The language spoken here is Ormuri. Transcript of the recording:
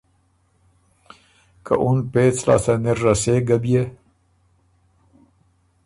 که اُن پېڅ لاسته نِر رسېک ګۀ بيې؟